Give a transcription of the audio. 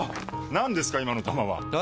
何ですか今の球は！え？